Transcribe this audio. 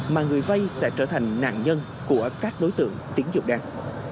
mà người vay sẽ trở thành nạn nhân của các đối tượng tiến dụng đen